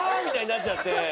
みたいになっちゃって。